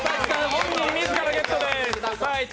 本人自らゲットです。